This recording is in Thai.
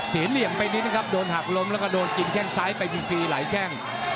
เหลี่ยมไปนิดนะครับโดนหักล้มแล้วก็โดนกินแค่งซ้ายไปฟรีหลายแข้ง